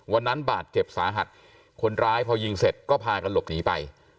วันนั้นบาดเจ็บสาหัสคนร้ายพอยิงเสร็จก็พากันหลบหนีไป